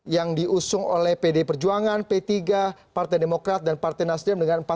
yang diusung oleh pd perjuangan p tiga partai demokrat dan partai nasrim dengan empat puluh sembilan suara